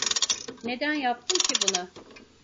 Neden yaptın ki bunu?